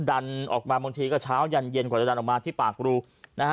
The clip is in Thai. ดันออกมาบางทีก็เช้ายันเย็นกว่าจะดันออกมาที่ปากรูนะฮะ